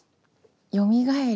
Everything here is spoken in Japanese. よみがえる